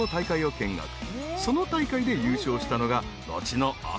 ［その大会で優勝したのが後の朝青龍。